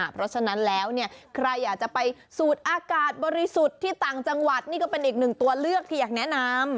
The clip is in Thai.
เพราะฉะนั้นแล้วเนี่ยใครอยากจะไปสูดอากาศบริสุทธิ์ที่ต่างจังหวัดนี่ก็เป็นอีกหนึ่งตัวเลือกที่อยากแนะนำ